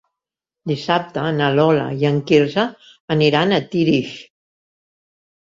Dissabte na Lola i en Quirze aniran a Tírig.